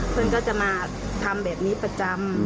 เพื่อนก็จะมาทำแบบนี้ประจำ